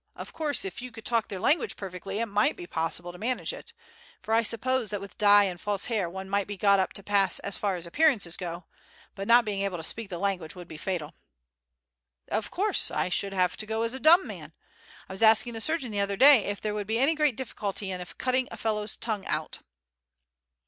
"Of course if you could talk their language perfectly it might be possible to manage it, for I suppose that with dye and false hair one might be got up to pass as far as appearances go, but not being able to speak the language would be fatal." "Of course I should have to go as a dumb man. I was asking the surgeon the other day if there would be any great difficulty in cutting a fellow's tongue out."